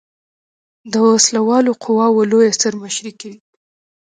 د وسله والو قواؤ لویه سر مشري کوي.